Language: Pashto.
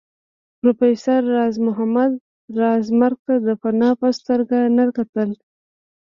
پروفېسر راز محمد راز مرګ ته د فناء په سترګه نه کتل